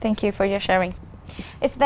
cảm ơn quý vị đã chia sẻ